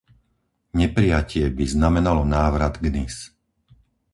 Neprijatie by znamenalo návrat k Nice.